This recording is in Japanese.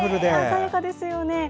鮮やかですよね。